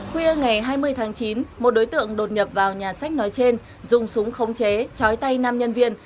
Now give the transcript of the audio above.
khuya ngày hai mươi tháng chín một đối tượng đột nhập vào nhà sách nói trên dùng súng khống chế chói tay năm nhân viên